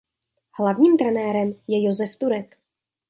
Hlavním trenérem je Josef Turek.